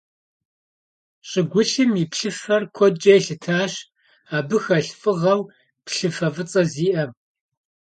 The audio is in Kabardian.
ЩӀыгулъым и плъыфэр куэдкӀэ елъытащ абы хэлъ фыгъэу плъыфэ фӀыцӀэ зиӀэм.